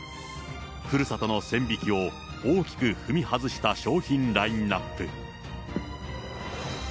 ふるさとの線引きを大きく踏み外した商品ラインナップ。